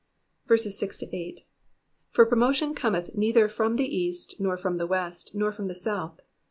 6 For promotion cometh neither from the east, nor from the west, nor from the south.